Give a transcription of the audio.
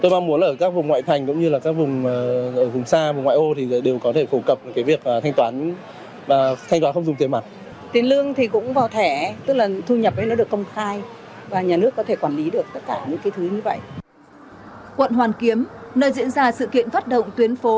quận hoàn kiếm nơi diễn ra sự kiện phát động tuyến phố